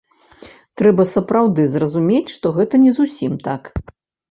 Трэба сапраўды зразумець, што гэта не зусім так.